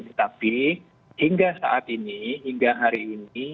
tetapi hingga saat ini hingga hari ini